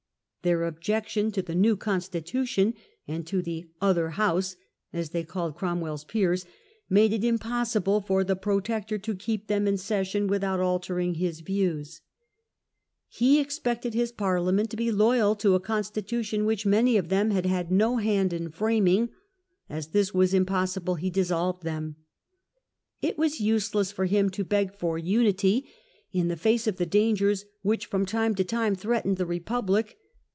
Their objection to the new constitution, and to the " other house ", as they called Cromwell's Peers, made it impossible for the Protector to keep them in session without altering his views. He DEATH OF CROMWELL. 67 expected his Parliament to be loyal to a constitution which many of them had had no hand in framing: as this was impossible, he dissolved them. It was useless for him to beg for unity in the face of the dangers which from time to time threatened the Republic.